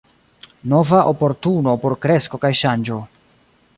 Nova oportuno por kresko kaj ŝanĝo.